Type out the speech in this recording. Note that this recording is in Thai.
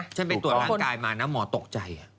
ไปตรวจร่างกายมานะหมอตกใจ